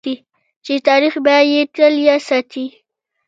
چې تاریخ به یې تل یاد ساتي.